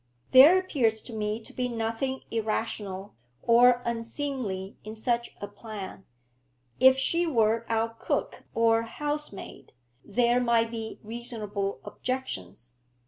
There appears to me to be nothing irrational or unseemly in such a plan. If she were our cook or housemaid, there might be reasonable objections.